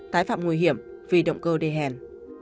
tái phạm nguy hiểm vì động cơ đề hèn